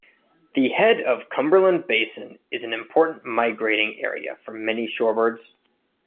The head of Cumberland Basin is an important migrating area for many shorebirds.